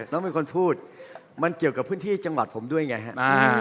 น้องเป็นคนพูดมันเกี่ยวกับพื้นที่จังหวัดผมด้วยไงครับ